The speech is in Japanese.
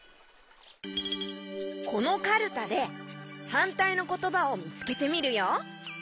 このカルタではんたいのことばをみつけてみるよ。